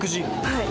はい。